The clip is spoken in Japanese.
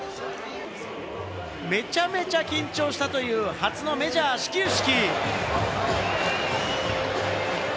めちゃめちゃ緊張したという初のメジャー始球式。